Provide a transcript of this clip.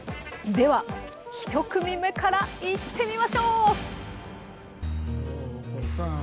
では１組目からいってみましょう。